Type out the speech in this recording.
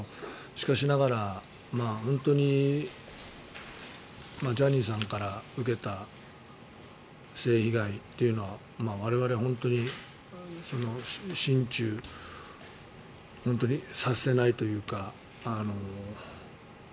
しかしながら本当にジャニーさんから受けた性被害というのは我々は本当に心中察せないというか。